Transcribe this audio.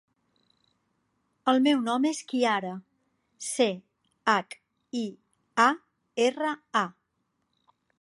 El meu nom és Chiara: ce, hac, i, a, erra, a.